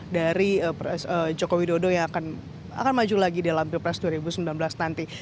dari pres jokowi dodo yang akan maju lagi dalam bpres dua ribu sembilan belas nanti